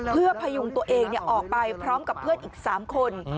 เพื่อพยุงตัวเองออกไปพร้อมกับเพื่อนอีก๓คน